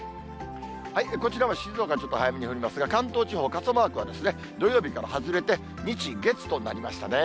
こちらは静岡、ちょっと早めに降りますが、関東地方、傘マークは土曜日から外れて、日、月となりましたね。